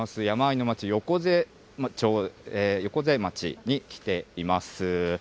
山あいの町、横瀬町に来ています。